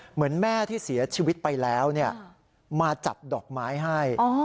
เหมือนแม่ที่เสียชีวิตไปแล้วมาจัดดอกไม้ให้